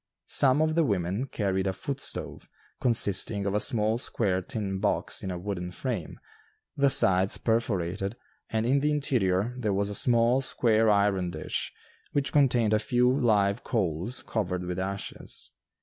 Some of the women carried a "foot stove" consisting of a small square tin box in a wooden frame, the sides perforated, and in the interior there was a small square iron dish, which contained a few live coals covered with ashes.